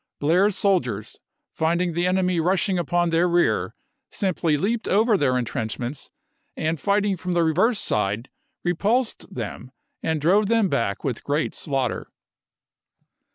Blair's soldiers, finding the enemy rushing upon their rear, simply leaped over their intrench ments and fighting from the reverse side repulsed them and drove them back with great slaughter.